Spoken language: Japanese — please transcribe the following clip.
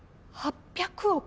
８００億？